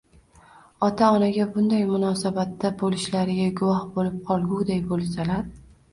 ota-onaga bunday munosabatda bo‘lishlariga guvoh bo‘lib qolguday bo‘lsalar